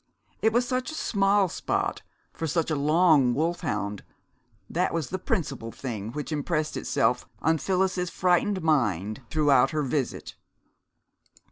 It was such a small spot for such a long wolfhound that was the principal thing which impressed itself on Phyllis's frightened mind throughout her visit.